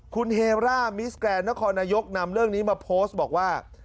คุณเฮร่ามิสแกรนดนครนายกนำเรื่องนี้มาโพสต์บอกว่า